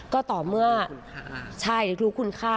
ก็ต่อเมื่อรู้คุณค่า